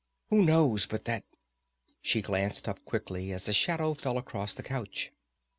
Who knows but that " She glanced up quickly as a shadow fell across the couch.